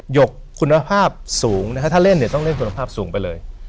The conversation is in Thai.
หกคุณภาพสูงนะฮะถ้าเล่นเนี่ยต้องเล่นคุณภาพสูงไปเลย